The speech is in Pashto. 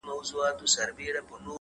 ښه اخلاق تل درناوی ګټي,